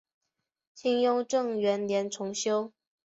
清雍正元年重修。